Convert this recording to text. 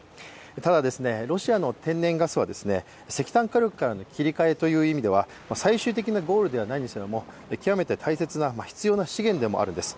ただ、ロシアの天然ガスは石炭火力からの切り替えという意味では、最終的なゴールではないにせよ極めて、必要な大切な資源ではあるんです。